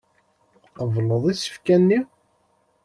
Tqebleḍ isefka-nni.